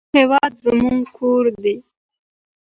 هېواد زموږ کور دی